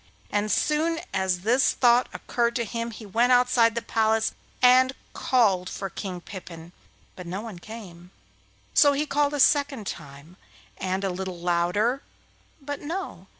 As soon as this thought occurred to him he went outside the palace and called for King Pippin, but no one came. So he called a second time, and a little louder, but no!